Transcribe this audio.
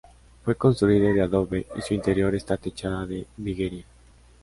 Fue construida de adobe y su interior está techado de viguería.